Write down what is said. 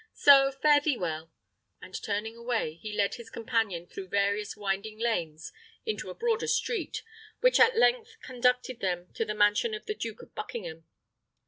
So, fare thee well!" and turning away, he led his companion through various winding lanes into a broader street, which at length conducted them to the mansion of the Duke of Buckingham.